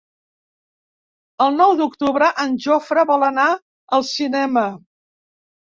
El nou d'octubre en Jofre vol anar al cinema.